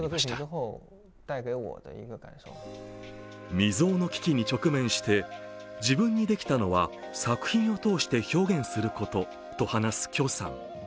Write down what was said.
未曾有の危機に直面して自分にできたのは作品を通して表現することと話す許さん。